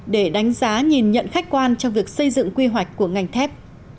để đánh giá nhìn nhận khách quan trong việc xây dựng quy hoạch của ngành thép